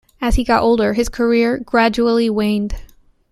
As he got older his career gradually waned.